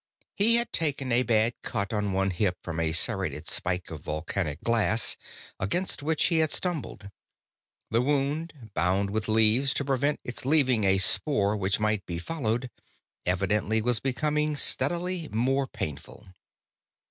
He had taken a bad cut on one hip from a serrated spike of volcanic glass against which he had stumbled. The wound, bound with leaves to prevent its leaving a spoor which might be followed, evidently was becoming steadily more painful.